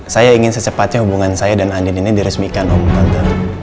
saya ingin secepatnya hubungan saya dan angin ini diresmikan om tante